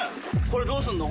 これどうすんの？